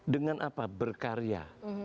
dengan apa berkarya